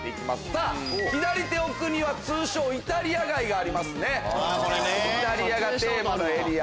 さぁ左手奥には通称イタリア街がありますね。